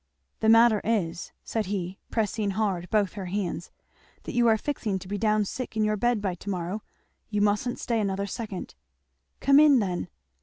"The matter is," said he pressing hard both her hands, "that you are fixing to be down sick in your bed by to morrow. You mustn't stay another second." "Come in then."